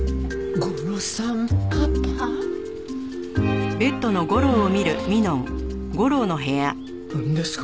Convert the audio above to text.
ゴロさんパパ？なんですか？